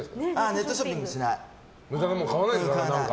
ネットショッピングしない。